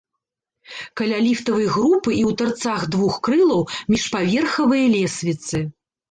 Каля ліфтавай групы і ў тарцах двух крылаў міжпаверхавыя лесвіцы.